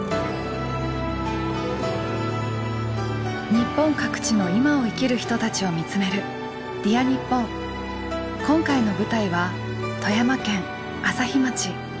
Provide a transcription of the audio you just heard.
日本各地の今を生きる人たちを見つめる今回の舞台は富山県朝日町。